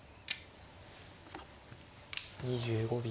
２５秒。